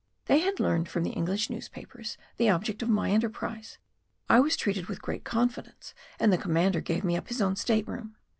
They had learned from the English newspapers the object of my enterprise. I was treated with great confidence and the commander gave me up his own state room.